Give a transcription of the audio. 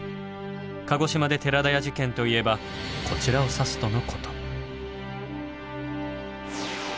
鹿児島で寺田屋事件といえばこちらを指すとのこと。